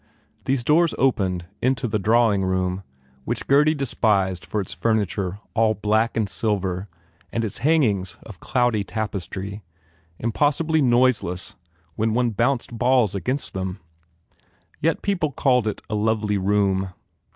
These doors opened into the drawing room which Gurdy despised for its furniture all black I THE FAIR REWARDS and silver and its hangings of cloudy tapestry, impossibly noiseless when one bounced balls against them. Yet people called it a lovely room.